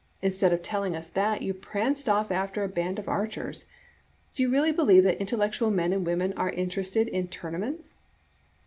Instead of telling us that, you pranced off after a band of archers. Do you really believe that intellectual men and women are in terested in tournaments?"